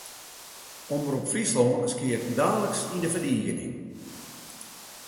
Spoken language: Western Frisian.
Omrop Fryslân skeat daliks yn de ferdigening.